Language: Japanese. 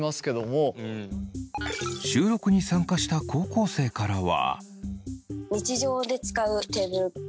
収録に参加した高校生からは。